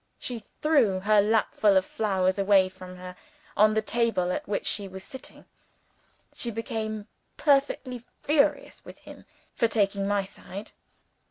She threw her lapful of flowers away from her on the table at which she was sitting. She became perfectly furious with him for taking my side.